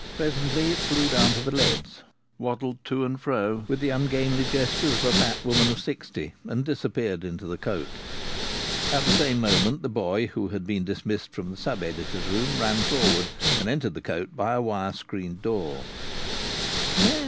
Presently it flew down to the leads, waddled to and fro with the ungainly gestures of a fat woman of sixty, and disappeared into the cote. At the same moment the boy who had been dismissed from the sub editor's room ran forward and entered the cote by a wire screened door.